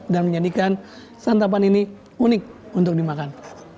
dan menjadikan santapan ini unik untuk dimakan